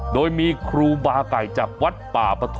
โดยมีครูบาไก่จากวัดป่าปฐม